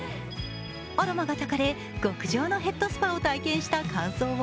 アロマがたかれ極上のヘッドスパを体験した感想は？